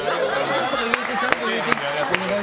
ちゃんと言うてちゃんと言うて。